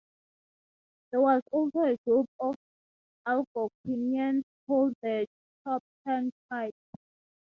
There was also a group of Algonquians called the Choptank tribe.